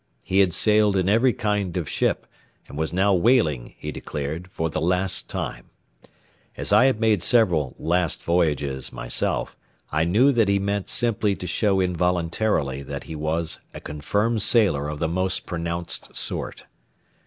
He had sailed in every kind of ship, and was now whaling, he declared, for the last time. As I had made several "last voyages" myself, I knew that he meant simply to show involuntarily that he was a confirmed sailor of the most pronounced sort.